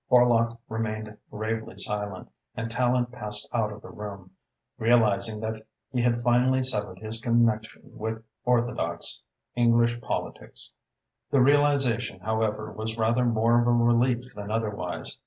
Horlock remained gravely silent and Tallente passed out of the room, realising that he had finally severed his connection with orthodox English politics. The realisation, however, was rather more of a relief than otherwise.